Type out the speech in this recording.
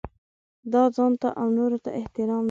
دا ځانته او نورو ته احترام دی.